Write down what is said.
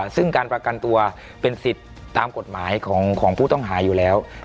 ซึ่งการประกันตัวเป็นสิทธิ์ตามกฎหมายของผู้ต้องหาอยู่แล้ว